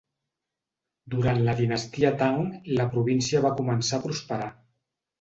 Durant la dinastia Tang la província va començar a prosperar.